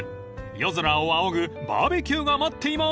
［夜空を仰ぐバーベキューが待っています］